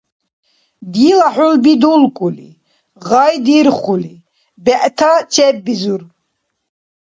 Дила хӀулби дулкӀули, гъай дирхули бегӀта у чеббизур.